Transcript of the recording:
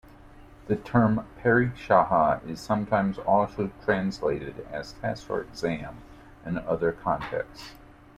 The term "pariksaha" is sometimes also translated as test or exam, in other contexts.